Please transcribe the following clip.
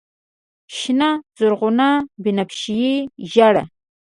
شنه، زرغونه، بنفشیې، ژړ